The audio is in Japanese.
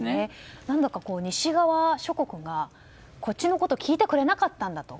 西側諸国が、こっちのことを聞いてくれなかったんだと。